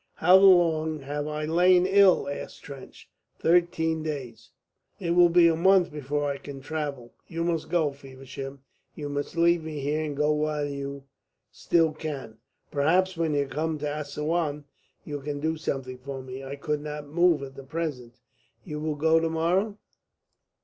"How long have I lain ill?" asked Trench. "Thirteen days." "It will be a month before I can travel. You must go, Feversham. You must leave me here, and go while you still can. Perhaps when you come to Assouan you can do something for me. I could not move at present. You will go to morrow?"